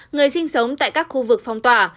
người sinh sống tại các khu vực phong tỏa